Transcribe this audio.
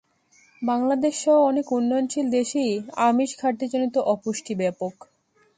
বাংলাদেশসহ অনেক উন্নয়নশীল দেশেই আমিষ ঘাটতিজনিত অপুষ্টি ব্যাপক।